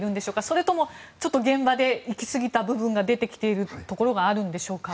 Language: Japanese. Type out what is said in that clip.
それとも現場で行きすぎた部分が出てきているところがあるんでしょうか。